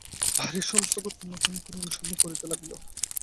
বাড়ির সমস্ত ঘর তন্ন তন্ন করিয়া অনুসন্ধান করিতে লাগিল।